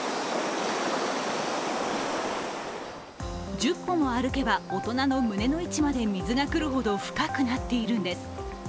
１０歩も歩けば大人の胸の位置まで水がくるほど深くなっているんです。